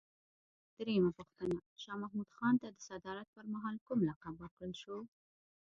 درېمه پوښتنه: شاه محمود خان ته د صدارت پر مهال کوم لقب ورکړل شو؟